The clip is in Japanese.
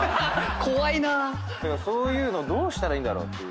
だからそういうのどうしたらいいんだろうっていう。